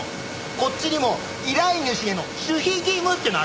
こっちにも依頼主への守秘義務ってのがあるから。